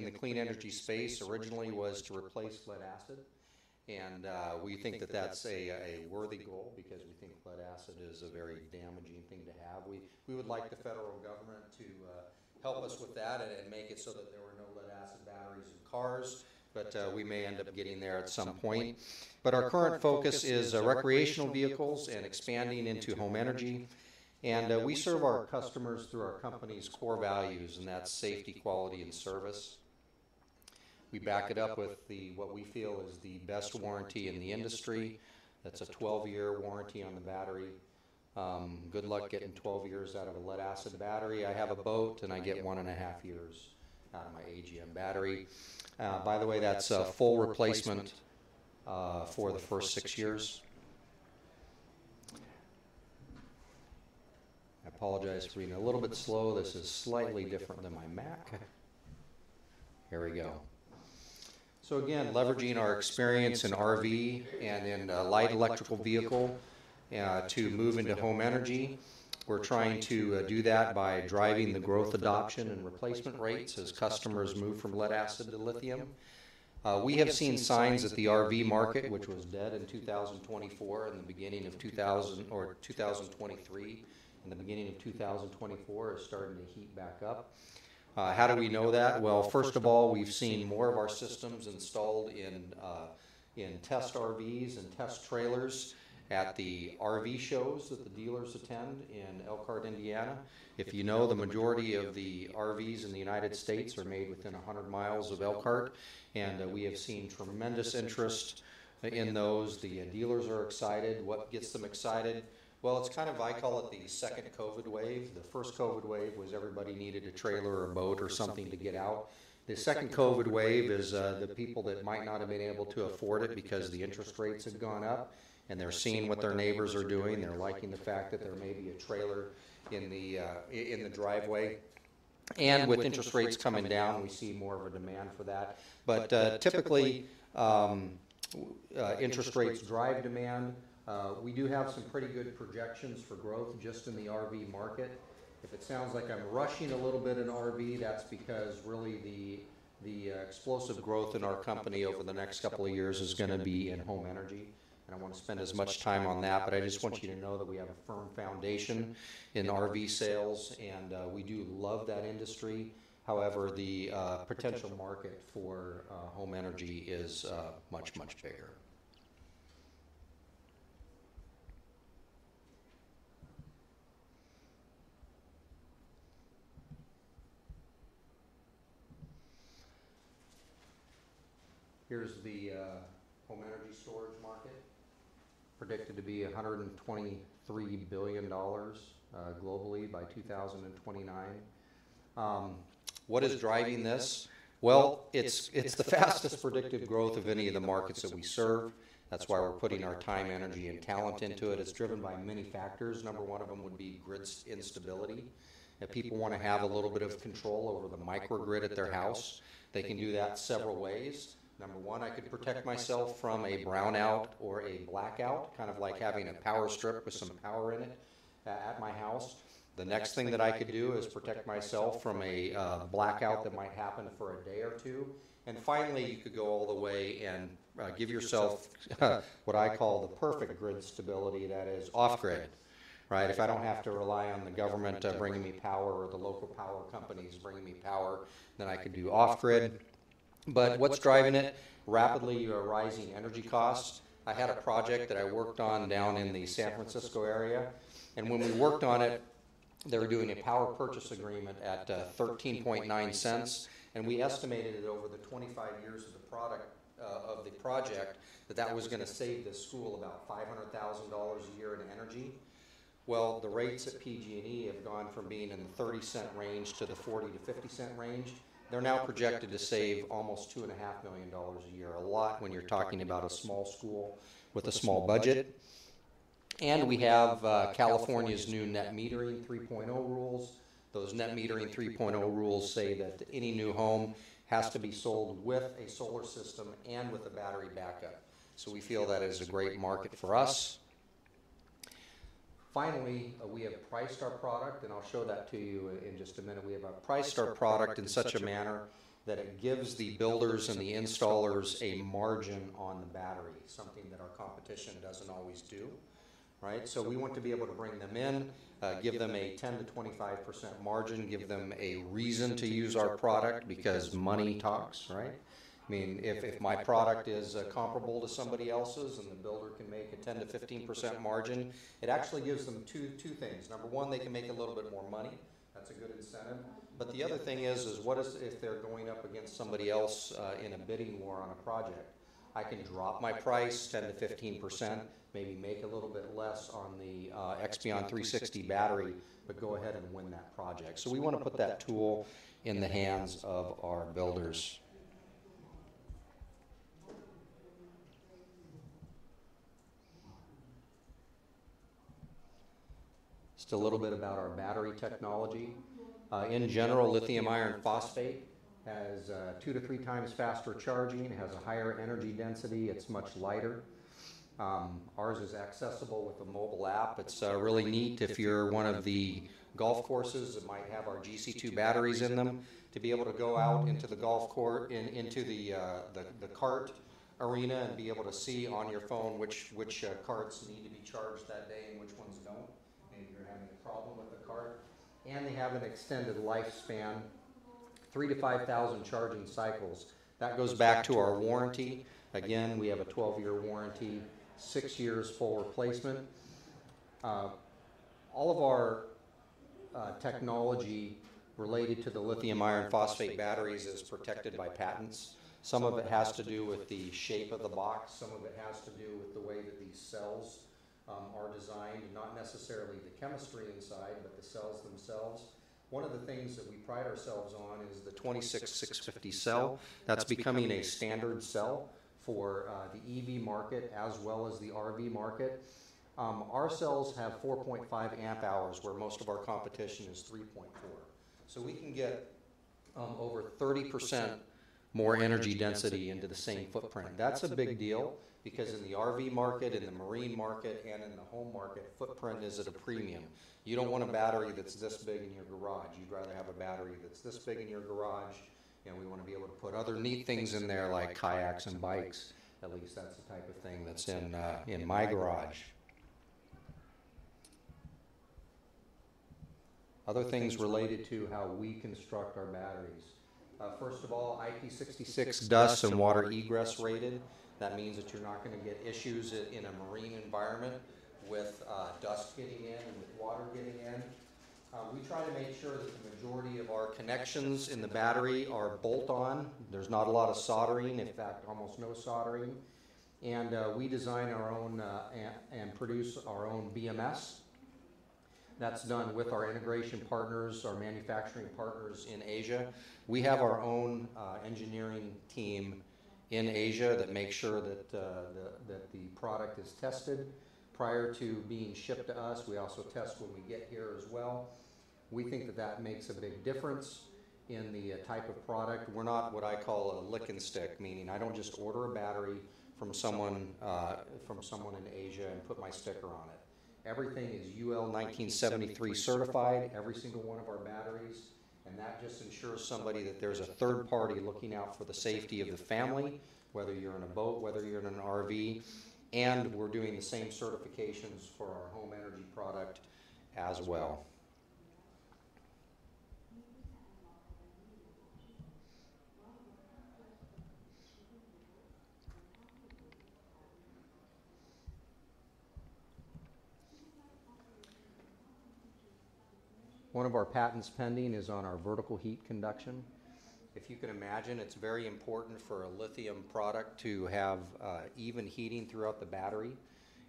goal in the clean energy space originally was to replace lead-acid, and we think that that's a worthy goal because we think lead-acid is a very damaging thing to have. We would like the federal government to help us with that and make it so that there were no lead-acid batteries in cars, but we may end up getting there at some point. But our current focus is recreational vehicles and expanding into home energy. And we serve our customers through our company's core values, and that's safety, quality, and service. We back it up with what we feel is the best warranty in the industry. That's a 12-year warranty on the battery. Good luck getting 12 years out of a lead-acid battery. I have a boat, and I get one and a half years out of my AGM battery. By the way, that's a full replacement for the first six years. I apologize for being a little bit slow. This is slightly different than my Mac. Here we go. So again, leveraging our experience in RV and in light electrical vehicle to move into home energy, we're trying to do that by driving the growth adoption and replacement rates as customers move from lead-acid to lithium. We have seen signs that the RV market, which was dead in 2024 or 2023, in the beginning of 2024, is starting to heat back up. How do we know that? Well, first of all, we've seen more of our systems installed in test RVs and test trailers at the RV shows that the dealers attend in Elkhart, Indiana. You know, the majority of the RVs in the United States are made within 100 miles of Elkhart, and we have seen tremendous interest in those. The dealers are excited. What gets them excited? Well, it's kind of, I call it the second COVID wave. The first COVID wave was everybody needed a trailer or a boat or something to get out. The second COVID wave is the people that might not have been able to afford it because the interest rates have gone up, and they're seeing what their neighbors are doing. They're liking the fact that there may be a trailer in the driveway, and with interest rates coming down, we see more of a demand for that, but typically, interest rates drive demand. We do have some pretty good projections for growth just in the RV market. If it sounds like I'm rushing a little bit in RV, that's because really the explosive growth in our company over the next couple of years is going to be in home energy. I want to spend as much time on that, but I just want you to know that we have a firm foundation in RV sales, and we do love that industry. However, the potential market for home energy is much, much bigger. Here's the home energy storage market, predicted to be $123 billion globally by 2029. What is driving this? It's the fastest predictive growth of any of the markets that we serve. That's why we're putting our time, energy, and talent into it. It's driven by many factors. Number one of them would be grid instability. If people want to have a little bit of control over the microgrid at their house, they can do that several ways. Number one, I could protect myself from a brownout or a blackout, kind of like having a power strip with some power in it at my house. The next thing that I could do is protect myself from a blackout that might happen for a day or two. And finally, you could go all the way and give yourself what I call the perfect grid stability, that is off-grid, right? If I don't have to rely on the government bringing me power or the local power companies bringing me power, then I could do off-grid. But what's driving it? Rapidly rising energy costs. I had a project that I worked on down in the San Francisco area. When we worked on it, they were doing a power purchase agreement at 13.9-cents. We estimated that over the 25 years of the project, that was going to save the school about $500,000 a year in energy. The rates at PG&E have gone from being in the 30% range to the 40% to 50% range. They're now projected to save almost $2.5 million a year, a lot when you're talking about a small school with a small budget. We have California's new Net Metering 3.0 rules. Those Net Metering 3.0 rules say that any new home has to be sold with a solar system and with a battery backup. We feel that is a great market for us. Finally, we have priced our product, and I'll show that to you in just a minute. We have priced our product in such a manner that it gives the builders and the installers a margin on the battery, something that our competition doesn't always do, right? So we want to be able to bring them in, give them a 10%-25% margin, give them a reason to use our product because money talks, right? I mean, if my product is comparable to somebody else's and the builder can make a 10%-15% margin, it actually gives them two things. Number one, they can make a little bit more money. That's a good incentive. But the other thing is, what if they're going up against somebody else in a bidding war on a project? I can drop my price 10%-15%, maybe make a little bit less on the Expion360 battery, but go ahead and win that project, so we want to put that tool in the hands of our builders. Just a little bit about our battery technology. In general, lithium iron phosphate has two to three times faster charging, has a higher energy density. It's much lighter. Ours is accessible with a mobile app. It's really neat. If you're one of the golf courses, it might have our GC2 batteries in them to be able to go out into the golf course and into the cart area and be able to see on your phone which carts need to be charged that day and which ones don't, if you're having a problem with the cart, they have an extended lifespan, three to five thousand charging cycles. That goes back to our warranty. Again, we have a 12-year warranty, six years full replacement. All of our technology related to the lithium iron phosphate batteries is protected by patents. Some of it has to do with the shape of the box. Some of it has to do with the way that these cells are designed, not necessarily the chemistry inside, but the cells themselves. One of the things that we pride ourselves on is the 26650 cell. That's becoming a standard cell for the EV market as well as the RV market. Our cells have 4.5 amp hours, where most of our competition is 3.4. So we can get over 30% more energy density into the same footprint. That's a big deal because in the RV market, in the marine market, and in the home market, footprint is at a premium. You don't want a battery that's this big in your garage. You'd rather have a battery that's this big in your garage. And we want to be able to put other neat things in there like kayaks and bikes. At least that's the type of thing that's in my garage. Other things related to how we construct our batteries. First of all, IP66 dust and water ingress rated. That means that you're not going to get issues in a marine environment with dust getting in and with water getting in. We try to make sure that the majority of our connections in the battery are bolt-on. There's not a lot of soldering, in fact, almost no soldering. And we design our own and produce our own BMS. That's done with our integration partners, our manufacturing partners in Asia. We have our own engineering team in Asia that makes sure that the product is tested prior to being shipped to us. We also test when we get here as well. We think that that makes a big difference in the type of product. We're not what I call a lick and stick, meaning I don't just order a battery from someone in Asia and put my sticker on it. Everything is UL 1973 certified, every single one of our batteries. And that just ensures somebody that there's a third party looking out for the safety of the family, whether you're in a boat, whether you're in an RV. And we're doing the same certifications for our home energy product as well. One of our patents pending is on our Vertical Heat Conduction. If you can imagine, it's very important for a lithium product to have even heating throughout the battery.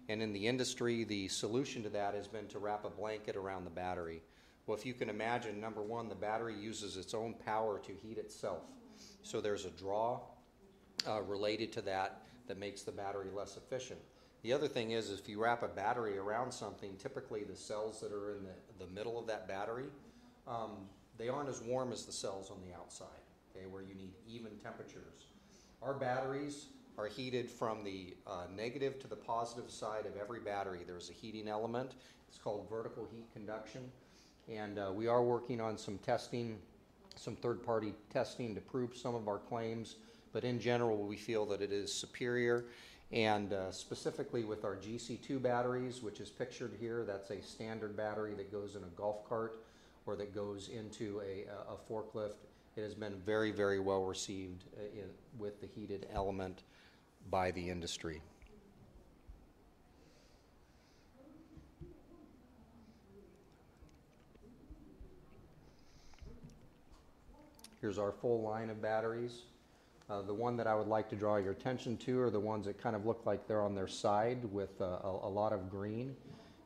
And in the industry, the solution to that has been to wrap a blanket around the battery. Well, if you can imagine, number one, the battery uses its own power to heat itself. So there's a draw related to that that makes the battery less efficient. The other thing is, if you wrap a battery around something, typically the cells that are in the middle of that battery, they aren't as warm as the cells on the outside, okay, where you need even temperatures. Our batteries are heated from the negative to the positive side of every battery. There's a heating element. It's called vertical heat conduction. And we are working on some third-party testing to prove some of our claims. But in general, we feel that it is superior. And specifically with our GC2 batteries, which is pictured here, that's a standard battery that goes in a golf cart or that goes into a forklift. It has been very, very well received with the heated element by the industry. Here's our full line of batteries. The one that I would like to draw your attention to are the ones that kind of look like they're on their side with a lot of green.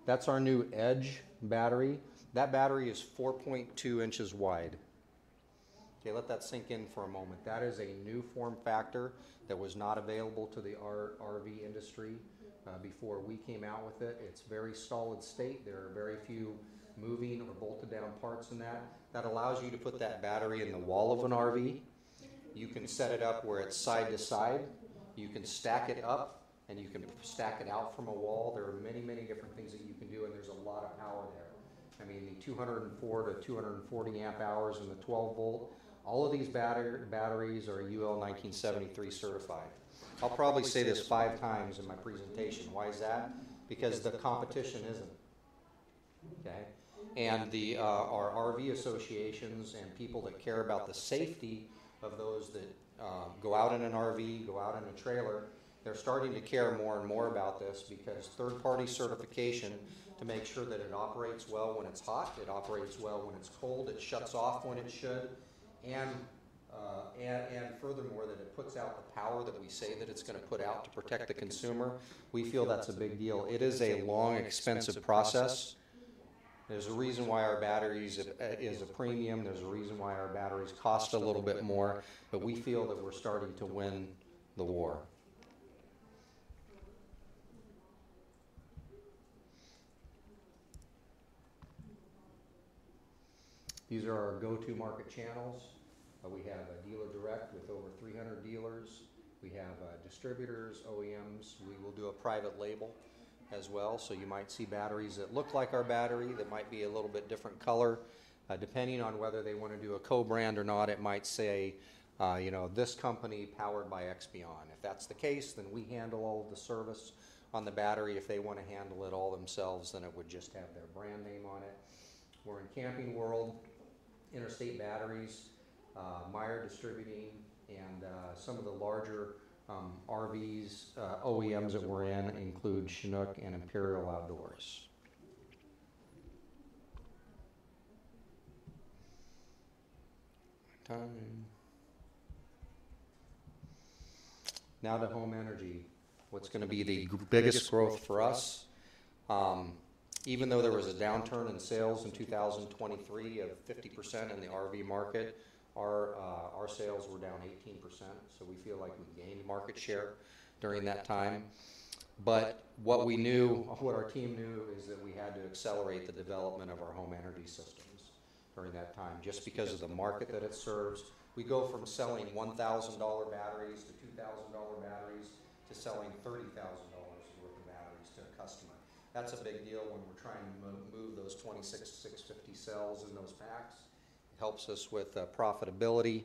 That's our new Edge battery. That battery is 4.2 inches wide. Okay, let that sink in for a moment. That is a new form factor that was not available to the RV industry before we came out with it. It's very solid state. There are very few moving or bolted down parts in that. That allows you to put that battery in the wall of an RV. You can set it up where it's side to side. You can stack it up, and you can stack it out from a wall. There are many, many different things that you can do, and there's a lot of power there. I mean, the 204 to 240 amp hours and the 12-volt, all of these batteries are UL 1973 certified. I'll probably say this five times in my presentation. Why is that? Because the competition isn't, okay, and our RV associations and people that care about the safety of those that go out in an RV, go out in a trailer, they're starting to care more and more about this because third-party certification to make sure that it operates well when it's hot, it operates well when it's cold, it shuts off when it should. Furthermore, that it puts out the power that we say that it's going to put out to protect the consumer. We feel that's a big deal. It is a long, expensive process. There's a reason why our batteries is a premium. There's a reason why our batteries cost a little bit more. But we feel that we're starting to win the war. These are our go-to market channels. We have a dealer direct with over 300 dealers. We have distributors, OEMs. We will do a private label as well. So you might see batteries that look like our battery that might be a little bit different color. Depending on whether they want to do a co-brand or not, it might say, "This company powered by Expion360." If that's the case, then we handle all of the service on the battery. If they want to handle it all themselves, then it would just have their brand name on it. We're in Camping World, Interstate Batteries, Meyer Distributing, and some of the larger RVs, OEMs that we're in include Chinook and Imperial Outdoors. Now to home energy. What's going to be the biggest growth for us? Even though there was a downturn in sales in 2023 of 50% in the RV market, our sales were down 18%. So we feel like we gained market share during that time. But what we knew, what our team knew, is that we had to accelerate the development of our home energy systems during that time just because of the market that it serves. We go from selling $1,000 batteries to $2,000 batteries to selling $30,000 worth of batteries to a customer. That's a big deal when we're trying to move those 26650 cells in those packs. It helps us with profitability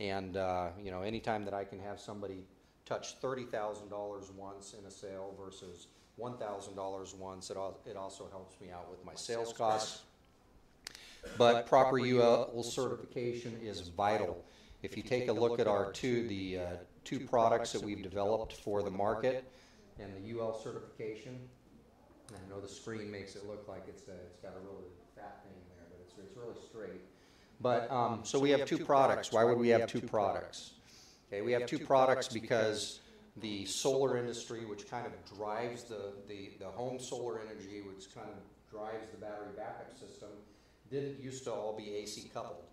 and anytime that I can have somebody touch $30,000 once in a sale versus $1,000 once, it also helps me out with my sales costs, but proper UL certification is vital. If you take a look at our two products that we've developed for the market and the UL certification, I know the screen makes it look like it's got a really fat thing in there, but it's really straight, but so we have two products. Why would we have two products? Okay, we have two products because the solar industry, which kind of drives the home solar energy, which kind of drives the battery backup system, didn't used to all be AC coupled.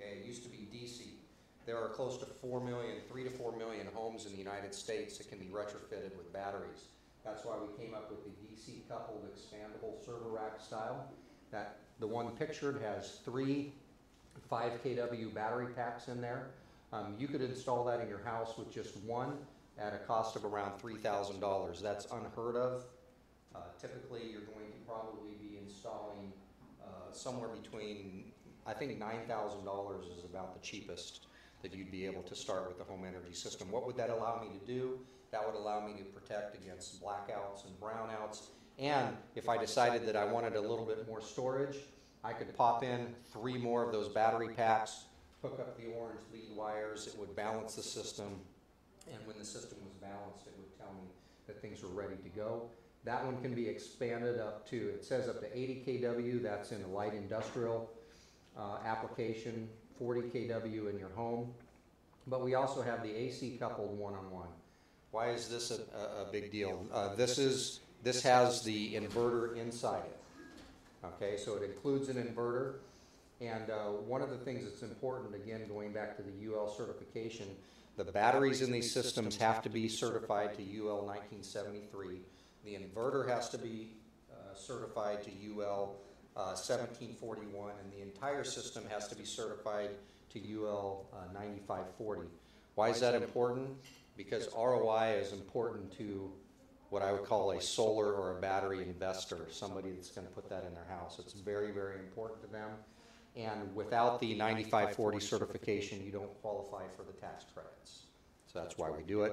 Okay, it used to be DC. There are close to three to four million homes in the United States that can be retrofitted with batteries. That's why we came up with the DC coupled expandable server rack style. The one pictured has three 5 kW battery packs in there. You could install that in your house with just one at a cost of around $3,000. That's unheard of. Typically, you're going to probably be installing somewhere between, I think $9,000 is about the cheapest that you'd be able to start with the home energy system. What would that allow me to do? That would allow me to protect against blackouts and brownouts, and if I decided that I wanted a little bit more storage, I could pop in three more of those battery packs, hook up the orange lead wires. It would balance the system. When the system was balanced, it would tell me that things were ready to go. That one can be expanded up to, it says up to 80 kW. That's in a light industrial application, 40 kW in your home. But we also have the AC coupled one-on-one. Why is this a big deal? This has the inverter inside it. Okay, so it includes an inverter. And one of the things that's important, again, going back to the UL certification, the batteries in these systems have to be certified to UL 1973. The inverter has to be certified to UL 1741, and the entire system has to be certified to UL 9540. Why is that important? Because ROI is important to what I would call a solar or a battery investor, somebody that's going to put that in their house. It's very, very important to them. Without the 9540 certification, you don't qualify for the tax credits. That's why we do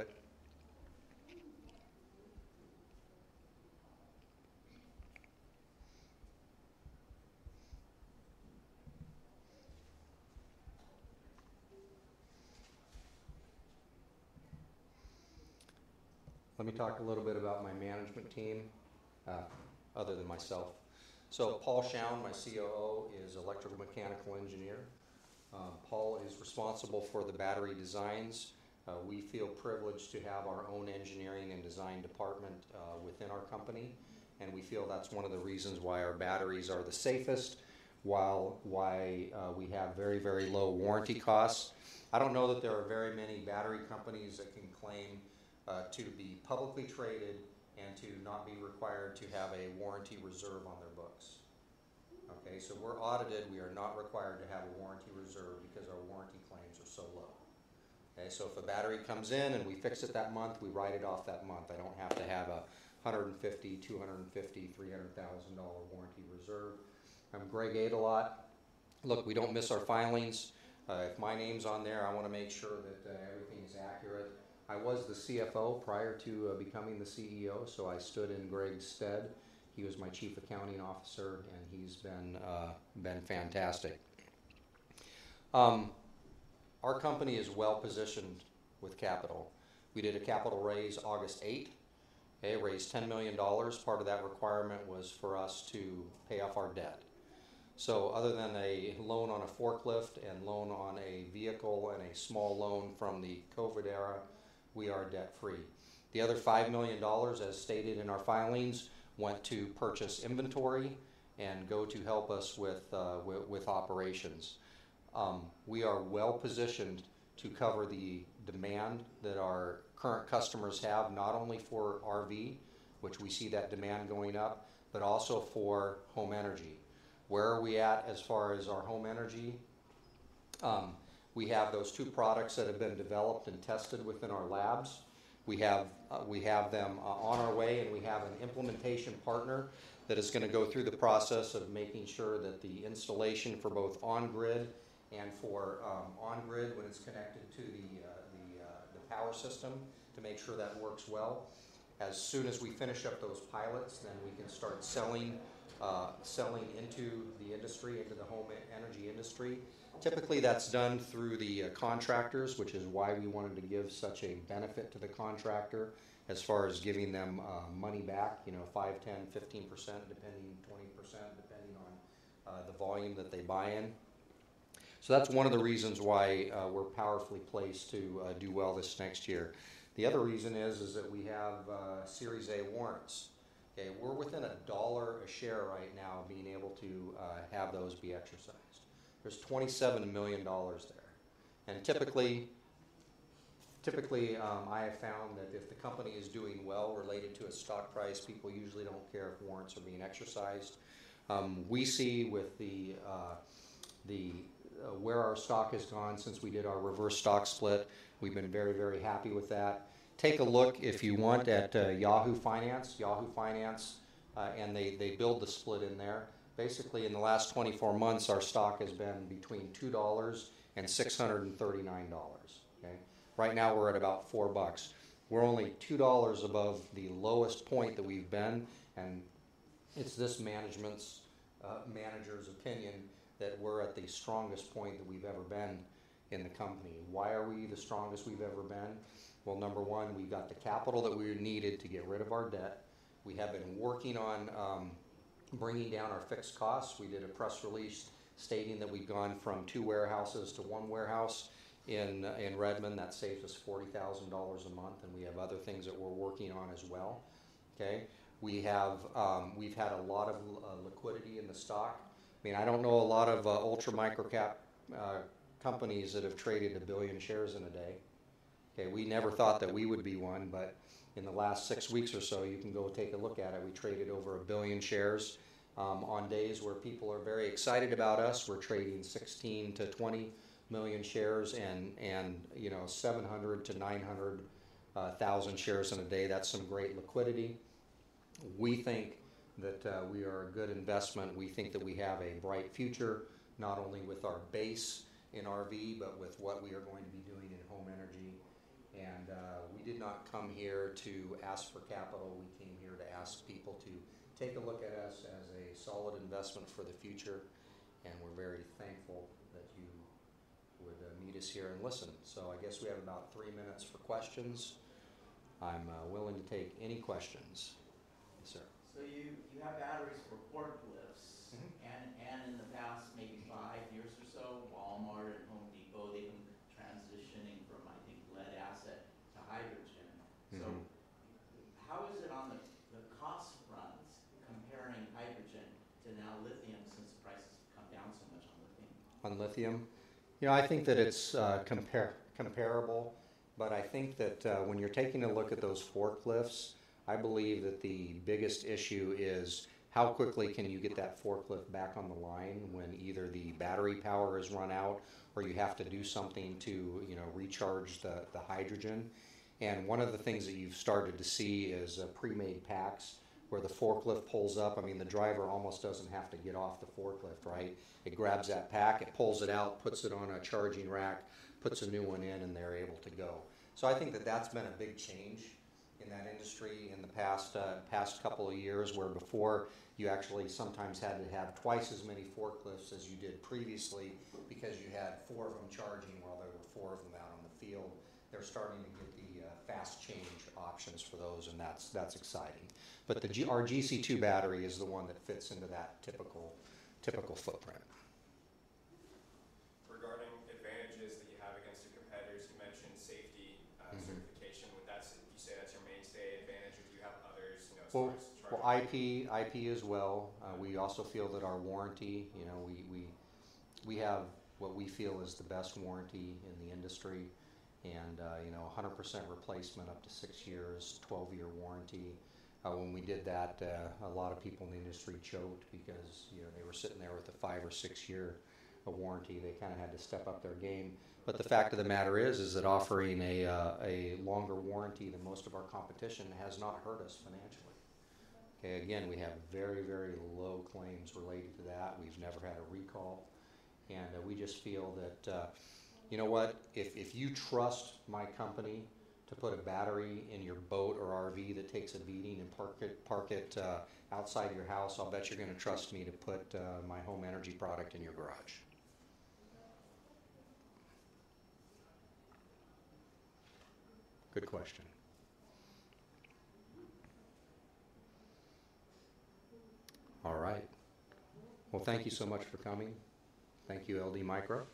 it. Let me talk a little bit about my management team other than myself. Paul Shoun, my COO, is an electrical mechanical engineer. Paul is responsible for the battery designs. We feel privileged to have our own engineering and design department within our company. We feel that's one of the reasons why our batteries are the safest while we have very, very low warranty costs. I don't know that there are very many battery companies that can claim to be publicly traded and to not be required to have a warranty reserve on their books. Okay, we're audited. We are not required to have a warranty reserve because our warranty claims are so low. Okay, so if a battery comes in and we fix it that month, we write it off that month. I don't have to have a $150,000, $250,000, $300,000 warranty reserve. And Greg Aydelotte Look, we don't miss our filings. If my name's on there, I want to make sure that everything is accurate. I was the CFO prior to becoming the CEO, so I stood in Greg's stead. He was my chief accounting officer, and he's been fantastic. Our company is well positioned with capital. We did a capital raise August 8th, okay, raised $10 million. Part of that requirement was for us to pay off our debt. So other than a loan on a forklift and loan on a vehicle and a small loan from the COVID era, we are debt-free. The other $5 million, as stated in our filings, went to purchase inventory and go to help us with operations. We are well positioned to cover the demand that our current customers have, not only for RV, which we see that demand going up, but also for home energy. Where are we at as far as our home energy? We have those two products that have been developed and tested within our labs. We have them on our way, and we have an implementation partner that is going to go through the process of making sure that the installation for both on-grid and off-grid when it's connected to the power system to make sure that works well. As soon as we finish up those pilots, then we can start selling into the industry, into the home energy industry. Typically, that's done through the contractors, which is why we wanted to give such a benefit to the contractor as far as giving them money back, 5%, 10%, 15%, depending 20%, depending on the volume that they buy in. So that's one of the reasons why we're powerfully placed to do well this next year. The other reason is that we have Series A warrants. Okay, we're within a dollar a share right now of being able to have those be exercised. There's $27 million there, and typically, I have found that if the company is doing well related to a stock price, people usually don't care if warrants are being exercised. We see with where our stock has gone since we did our reverse stock split, we've been very, very happy with that. Take a look if you want at Yahoo Finance. Yahoo Finance, and they build the split in there. Basically, in the last 24 months, our stock has been between $2 and $639. Okay, right now we're at about 4 bucks. We're only $2 above the lowest point that we've been, and it's this management's manager's opinion that we're at the strongest point that we've ever been in the company. Why are we the strongest we've ever been? Well, number one, we've got the capital that we needed to get rid of our debt. We have been working on bringing down our fixed costs. We did a press release stating that we've gone from two warehouses to one warehouse in Redmond. That saved us $40,000 a month, and we have other things that we're working on as well. Okay, we've had a lot of liquidity in the stock. I mean, I don't know a lot of ultra microcap companies that have traded a billion shares in a day. Okay, we never thought that we would be one, but in the last six weeks or so, you can go take a look at it. We traded over a billion shares on days where people are very excited about us. We're trading 16-20 million shares and 700-900 thousand shares in a day. That's some great liquidity. We think that we are a good investment. We think that we have a bright future, not only with our base in RV, but with what we are going to be doing in home energy. And we did not come here to ask for capital. We came here to ask people to take a look at us as a solid investment for the future. And we're very thankful that you would meet us here and listen. So I guess we have about three minutes for questions. I'm willing to take any questions. Yes, sir. So you have batteries for forklifts. And in the past, maybe five years or so, Walmart and Home Depot, they've been transitioning from, I think, lead-acid to hydrogen. So how is it on the cost front comparing hydrogen to now lithium since prices have come down so much on lithium? On lithium? Yeah, I think that it's comparable. But I think that when you're taking a look at those forklifts, I believe that the biggest issue is how quickly can you get that forklift back on the line when either the battery power has run out or you have to do something to recharge the hydrogen. One of the things that you've started to see is pre-made packs where the forklift pulls up. I mean, the driver almost doesn't have to get off the forklift, right? It grabs that pack, it pulls it out, puts it on a charging rack, puts a new one in, and they're able to go. I think that that's been a big change in that industry in the past couple of years where before you actually sometimes had to have twice as many forklifts as you did previously because you had four of them charging while there were four of them out on the field. They're starting to get the fast change options for those, and that's exciting. Our GC2 battery is the one that fits into that typical footprint. Regarding advantages that you have against your competitors, you mentioned safety certification. Would you say that's your mainstay advantage? Would you have others? IP as well. We also feel that our warranty, we have what we feel is the best warranty in the industry and 100% replacement up to six years, 12-year warranty. When we did that, a lot of people in the industry choked because they were sitting there with a five or six-year warranty. They kind of had to step up their game. But the fact of the matter is that offering a longer warranty than most of our competition has not hurt us financially. Okay, again, we have very, very low claims related to that. We've never had a recall. And we just feel that, you know what, if you trust my company to put a battery in your boat or RV that takes a beating and park it outside your house, I'll bet you're going to trust me to put my home energy product in your garage. Good question. All right. Well, thank you so much for coming. Thank you, LD Micro.